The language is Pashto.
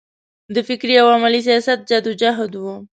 د فکري او عملي سیاست جدوجهد و.